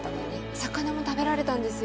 魚も食べられたんですよ。